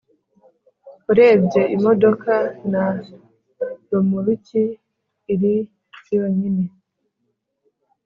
Urebye imodoka na romoruki iri yonyine